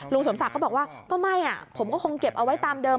สมศักดิ์ก็บอกว่าก็ไม่ผมก็คงเก็บเอาไว้ตามเดิม